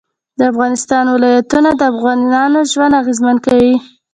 د افغانستان ولايتونه د افغانانو ژوند اغېزمن کوي.